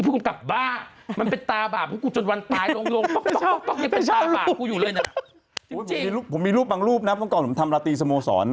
ผมมีรูปบางรูปนะเมื่อก่อนผมทำรัตรีสโมสร